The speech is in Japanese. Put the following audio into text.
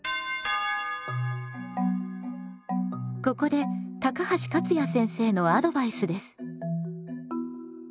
ここで高橋勝也先生のアドバイスです。